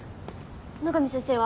野上先生は？